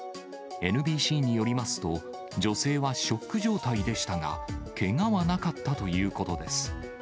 ＮＢＣによりますと、女性はショック状態でしたが、けがはなかったということです。